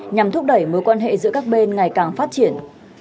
nhằm thúc đẩy mối quan hệ giữa các bên ngày càng phát triển